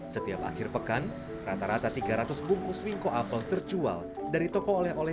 setiap akhir pekan rata rata tiga ratus bungkus wingko apel terjual dari toko oleh oleh